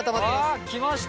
わ来ました。